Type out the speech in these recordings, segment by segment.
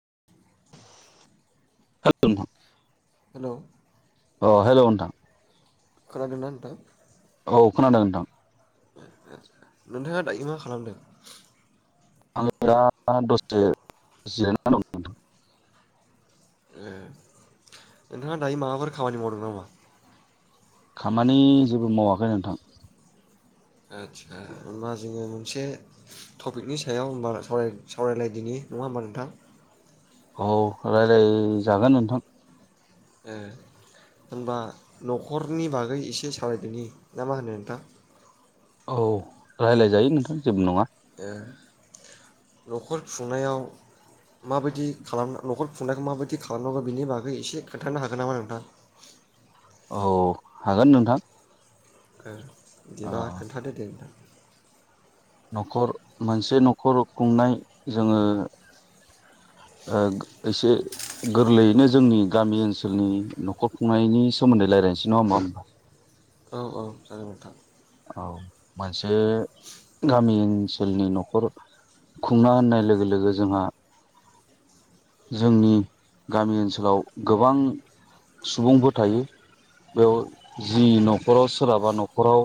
[inaudible] [unintelligible] हेल' अ हेल' नोंथां खोनादों ना नोंथां? औ खोनादों नोंथां। नोंथाङा दा मा खालामदों? आङो दा दसे जिरायना दं नोंथां। ए नोंथाङा दायो माबाफोर खामानि मावदों नामा? खामानि जेबो मावाखै नोंथां। आदचसा होनबा जोङो मोनसे टपिकनि सायाव होनबा सावरायलायदिनि नङा होमबा नोंथां? औ राय्लाय जागोन नोंथां। होनबा न'खरनि बागै एसे सावरायनि ना मा होनो नोंथां? औ रायज्लायजायो नोंथां जेबो नङा। ओ न'खर खुंनायाव माबायदि खालाम न'खर खुंनायखौ माबायदि खालामनांगौ बिनि बागै एसे खोन्थानो हागोन नामा नोंथां? औ हागोन नोंथां। [inaudible] ओ बिदिबा खोन्थादो दे न'खर मोनसे न'खर खुंनाय जोङो ओ एसे गोरलैयैनो जोंनि गामि ओनसोलनि न'खर खुंनायनि सोमोन्दै रायज्लायनोसै नङा हा होमबा? औ औ जागोन नोंथां। औ मोनसे गामि ओनसोलनि न'खर खुंना होननाय लोगो लोगो जोंहा जोंनि गामि ओनसोलाव गोबां सुबुंफोर थायो बेयाव जि न'खराव सोरहाबा न'खराव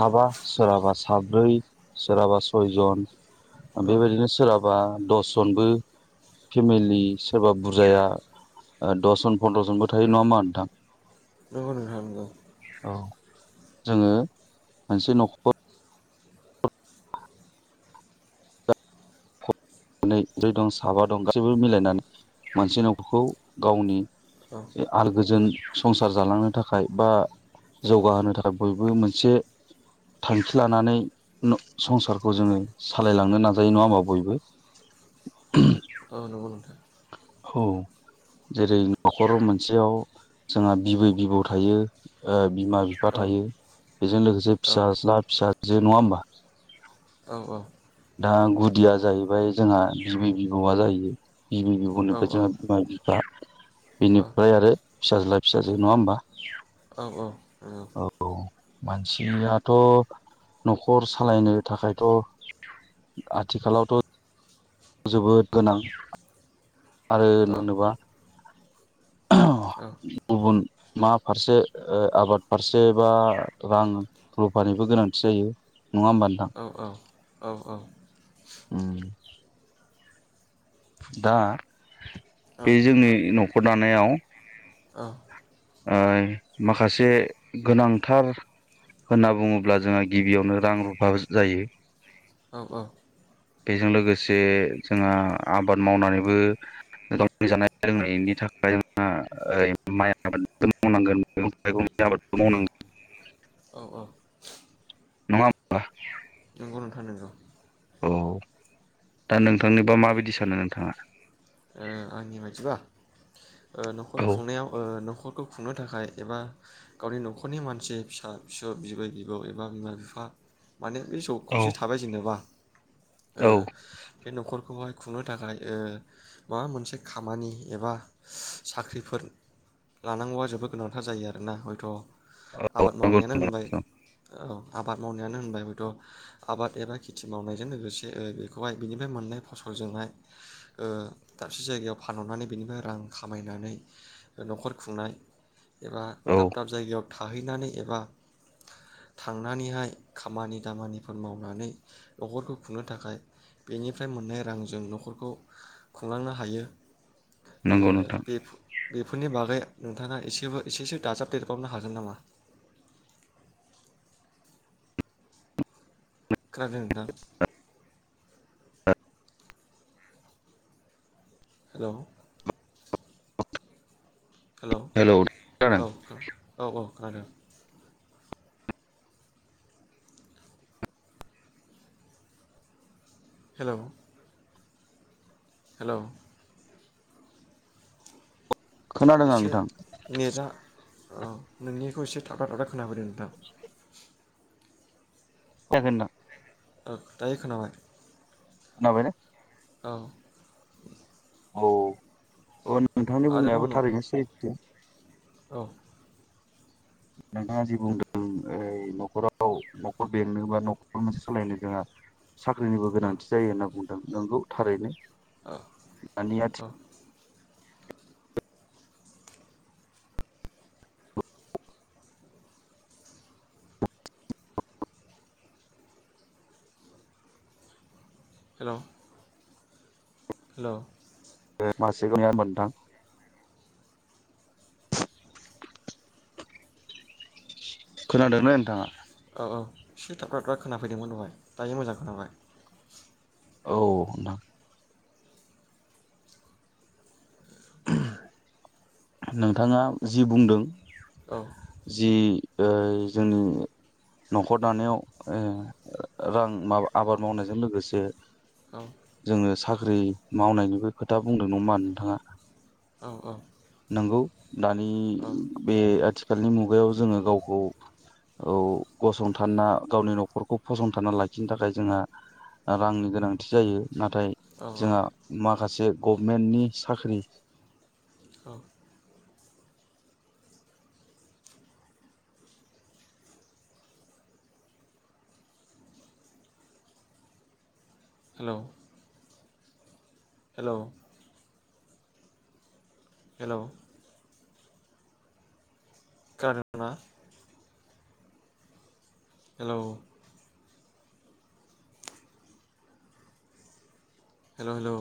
साबा सोरहाबा साब्रै सोरहाबा सयजन औ बेबायदिनो सोलाबा दसजनबो फेमिलि सोरबा बुरजाया दसजन फन्द्र जनबो थायो नङा ओनबा नोंथां? नंगौ नोंथां औ औ जोङो मोनसे न'खर नै जै दं साबा दं गासैबो मिलायनानै मोनसे न'खौ गावनि औ आल गोजोन संसार जालांनो थाखाय बा जौगाहोनो थाखाय बयबो मोनसे थांखि लानानै संसारखौ जोङो सालायलांनो नाजायो नङा होमबा बयबो [inaudible] औ नंगौ‌ नोंथां औ जेरै न'खराव मोनसेयाव जोंहा बिबै बिबौ थायो बिमा बिफा औ थायो बेजों लोगोसे औ फिसाज्ला फिसाजो नङा होमबा औ औ दा गुदिया जाहैबाय जोंहा बिबै बिबौआ जाहैयो बिबै औ बिबौनिफ्राय औ जोंहा बिमा बिनिफ्राय आरो फिसाज्ला फिसाजो नङा होमबा औ औ औ मानसियाथ' न'खर सालायनो थाखायथ' आथिखालावथ' जोबोद गोनां आरो मोनोबा ओ गुबुन मा फारसे आबाद फारसे बा रां रुफानिबो गोनांथि जायो नङा होनबा नोंथां औ औ उम दा बे औ जोंनि न'खर दानायाव ओ माखासे गोनांथार होनना बुङोब्ला जोंहा गिबियावनो रां रुफा जायो औ औ बेजों लोगोसे जोंहा आबाद मावनानैबो जानाय लोंनायनि थाखाय जोंहा माइ [unintelligible] औ नङा होमबा नंगौ नोंथां नंगौ औ दा नोंथांनिबा माबायदि सानो नोंथाङा ओ आंनि बायदिबा ओ न'खर औ खुंनायाव न'खर ओ खौ खुंनो थाखाय एबा गावनि न'खरनि मानसि फिसा फिसौ बिबै बिबौ एबा बिमा बिफा माने बे जौ औ खौसे थाबाय जेनेबा ओ औ बे न'खरखौहाय खुंनो थाखाय ओ माबा मोनसे खामानि एबा साख्रिफोर लानांगौ जोबोद गोनांथार जायो आरोना हयथ' आबाद नंगौ मावनायानो होनबाय नंगौ औ आबाद मावनायानो होनबाय हयथ' आबाद एबा खेथि मावनायजों लोगोसे बेखौहाय बिनिफ्राय मोननाय फसलजोंहाय ओ दाबसे जायगायाव फानहरनानै बेनिफ्राय रां खामायनानै न'खर खुंनाय एबा औ दाब दाब जायगायाव थाहैनानै एबा थांनानैहाय खामानि दामानिफोर मावनानै न'खरखौ खुंनो थाखाय बेनिफ्राय मोननाय रांजों न'खरखौ खुंलांनो हायो ओ नंगौ नोंथां बेफोरनि बागै नोंथाङा एसेबो एसेसो दाजाब देरबावनो हागोन नामा खोनादों नोंथां हेल' हेल' हेलौ औ खोनादों औ औ आरो हेल' हेल' खोनादों आं एसे नोंथां नेटआ औ नोंनिखौ एसे थाबा थाब खोनाबदों नोंथां जागोन ना औ दायो खोनाबाय खोनाबाय ना औ औ नोंथांनि आरोबाव बुंनायाबो न' थारैनो सैथो औ नोंथाङा जि बुंदों ओइ न'खराव न'खर बेंनो बा न'खर मोनसे सालायनो जोंहा साख्रिनिबो औ गोनांथि जायो होन्ना बुंदों नंगौ थारैनो औ दानि औ आथिखाल हेल' हेल' मासे [unintelligible] मोनदां खोनादोंमोन नोंथाङा औ औ सुइटारफ्राथ्रा खोनाफैदोंमोन दहाय दायो मोजां खोनाबाय औ नोंथां नोंथाङा जि बुंदों औ जि ओ जोंनि न'खर दानायाव ओ रां माबा आबाद मावनायजों लोगोसे औ जोङो हाल साख्रि मावनायनिबो खोथा बुंदों नङा नोंथाङा औ औ नंगौ दानि बे आथिखाल आथिखालनि मुगायाव जोङो गावखौ औ गसंथाना गावनि न'खरखौ फसंथानना लाखिनो थाखाय जोंहा रांनि गोनांथि जायो नाथाय जोंहा माखासे गभमेन्टनि साख्रि औ हेल' हेल' हेल' खोनादोंना हेल' हेल' हेल'